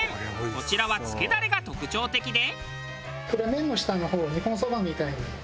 こちらはつけだれが特徴的で。